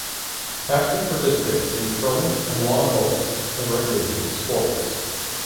Paxton participated in curling and lawn bowling as recreational sports.